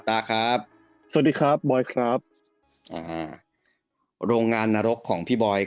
ตาครับสวัสดีครับบอยครับอ่าโรงงานนรกของพี่บอย